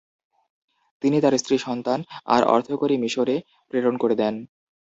তিনি তার স্ত্রী-সন্তান আর অর্থকড়ি মিশরে প্রেরণ করে দেন।